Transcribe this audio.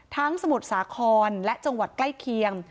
ทั้งสมุดสาคอนและจังหวัดใกล้เคียง